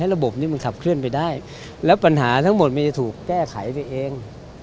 และปัญหาทั้งหมดมันจะถูกแก้ไขไปเอง